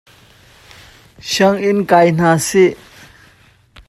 Sianginn kai hna sih.